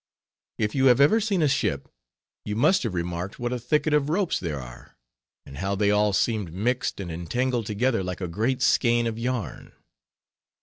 If you have ever seen a ship, you must have remarked what a thicket of ropes there are; and how they all seemed mixed and entangled together like a great skein of yarn.